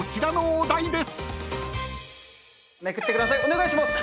お願いします！